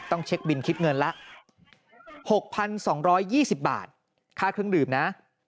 ต้องเช็คบินคิดเงินละ๖๒๒๐บาทค่าเครื่องดื่มนะ